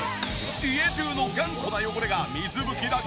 家中の頑固な汚れが水拭きだけで落ちまくり！